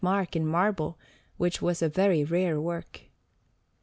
Mark in marble, which was a very rare work.